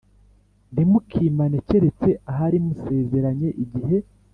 Ntimukimane keretse ahari musezeranye igihe